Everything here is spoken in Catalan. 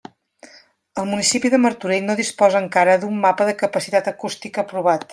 El municipi de Martorell no disposa encara d'un mapa de capacitat acústica aprovat.